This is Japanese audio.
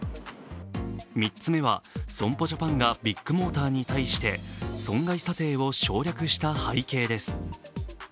３つ目は、損保ジャパンがビッグモーターに対して損が伊佐邸を省略した背景です。